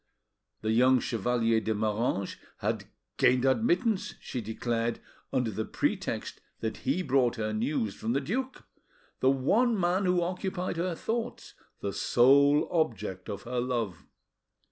The young Chevalier de Moranges had, gained admittance, she declared, under the pretext that he brought her news from the duke, the one man who occupied her thoughts, the sole object of her love.